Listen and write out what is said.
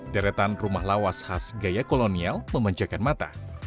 deretan rumah lawas khas gaya kolonial memanjakan mata